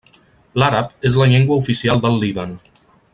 L'àrab és la llengua oficial del Líban.